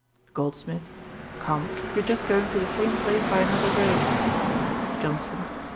GOLDSMITH. 'Come, you're just going to the same place by another road.' JOHNSON.